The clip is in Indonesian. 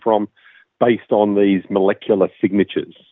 berdasarkan signetik molekuler ini